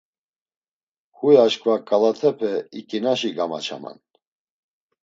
Huy aşǩva ǩalatepe iǩinaşi gamaçaman.